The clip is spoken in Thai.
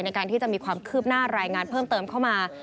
ในการที่จะมีความคืบหน้ารายงานเพิ่มเติมเข้ามา